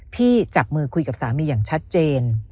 จับมือคุยกับสามีอย่างชัดเจน